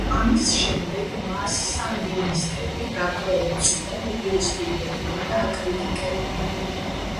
ამის შემდეგ მას სანდინისტები გარკვეულწილად უპირისპირდებიან და აკრიტიკებენ.